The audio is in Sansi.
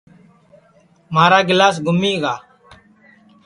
مھارا گِلاس گُمی گا